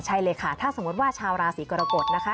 ใช่เลยค่ะถ้าสมมติว่าชาวราศีกรกฎนะคะ